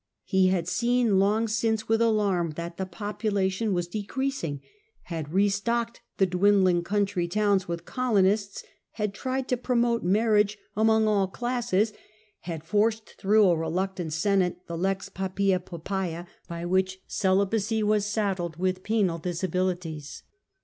He had seen long since hardly levy with alarm that the population wa^ decreasing, soldiers, re stocked the dwindling country towns with colonists, had tried to promote marriage among all — A,D. 14. Augustus. 35 classes, had forced through a reluctant Senate the Lex Papia Poppaea by which celibacy was saddled with penal disabilities.